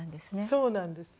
そうなんです。